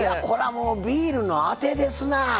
もうビールのあてですな！